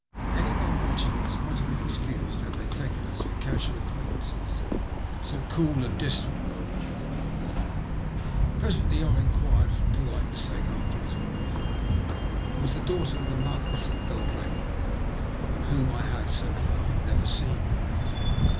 Any one watching us might have been excused had they taken us for casual acquaintances, so cool and distant were we with one another. Presently I enquired, for politeness sake, after his wife, who was the daughter ^ of the Marquis of Belgravia, and whom I had, so fai; never seen.